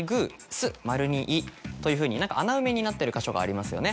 「す丸２い」というふうに穴埋めになってる箇所がありますよね。